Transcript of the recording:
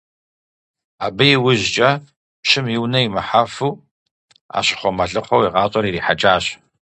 Абы иужькӏэ, пщым и унэ имыхьэфу, Ӏэщыхъуэ-мэлыхъуэу и гъащӀэр ирихьэкӏащ.